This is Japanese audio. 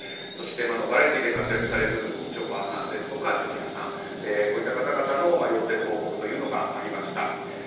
そしてバラエティーで活躍されているみちょぱさんですとかジュニアさん、こういった方々の陽性の報告というのがありました。